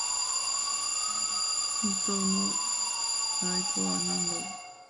本当の幸いとはなんだろう。